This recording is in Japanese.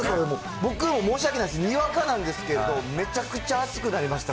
僕、申し訳ないんですけど、にわかなんですけど、めちゃくちゃ熱くなりました、